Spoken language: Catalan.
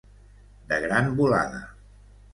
De gran volada.